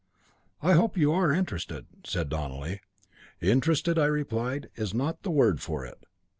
"I hope you are interested," said Donelly. "Interested," I replied, "is not the word for it."